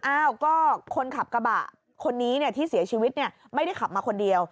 อ้าวก็คนขับกระบะคนนี้ที่เสียชีวิตไม่ได้ขับมาคนเดียว